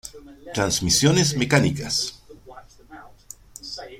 Transmisiones mecánicas.